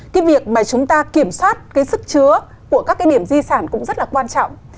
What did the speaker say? cái việc mà chúng ta kiểm soát cái sức chứa của các cái điểm di sản cũng rất là quan trọng